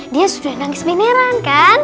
dia sudah nangis mineran kan